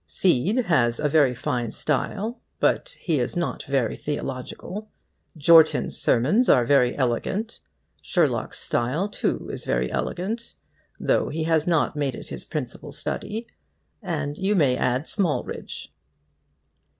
Seed has a very fine style; but he is not very theological. Jortin's sermons are very elegant. Sherlock's style, too, is very elegant, though he has not made it his principal study. And you may add Smalridge.